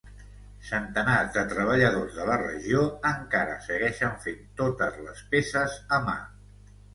Centenars de treballadors de la regió encara segueixen fent totes les peces a mà.